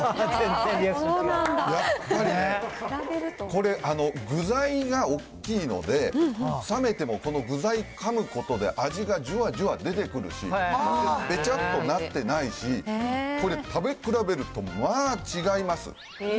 やっぱりね、これ、具材がおっきいので、冷めてもこの具材かむことで味がじわじわ出てくるし、べちゃっとなってないし、これ、食べ比べるとまあ、違います。